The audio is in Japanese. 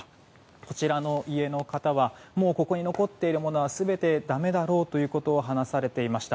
こちらの家の方はここに残っているものは全てだめだろうということを話されていました。